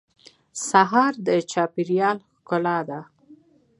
سهار د چاپېریال ښکلا ده.